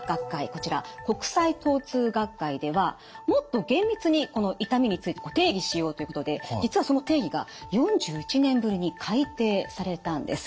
こちら国際疼痛学会ではもっと厳密にこの痛みについて定義しようということで実はその定義が４１年ぶりに改定されたんです。